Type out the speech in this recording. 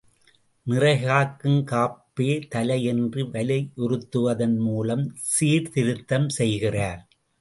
நிறை காக்கும் காப்பே தலை என்று வலியுறுத்துவதன் மூலம் சீர்திருத்தம் செய்கிறார்.